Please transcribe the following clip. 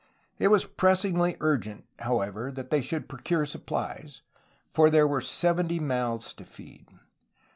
It was pressingly urgent, however, that they should procure supplies, for there were seventy mouths to feed.